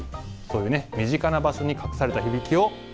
そういうね身近な場所に隠された響きを。